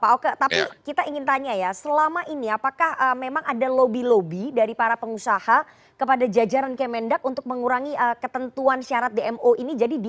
pak oke tapi kita ingin tanya ya selama ini apakah memang ada lobby lobby dari para pengusaha kepada jajaran kemendak untuk mengurangi ketentuan syarat dmo ini